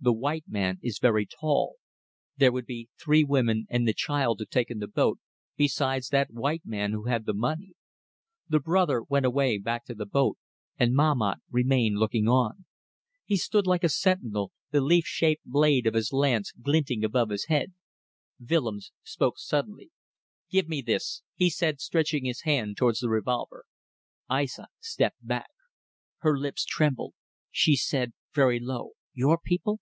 The white man is very tall. There would be three women and the child to take in the boat, besides that white man who had the money .... The brother went away back to the boat, and Mahmat remained looking on. He stood like a sentinel, the leaf shaped blade of his lance glinting above his head. Willems spoke suddenly. "Give me this," he said, stretching his hand towards the revolver. Aissa stepped back. Her lips trembled. She said very low: "Your people?"